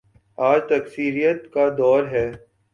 آج تکثیریت کا دور ہے۔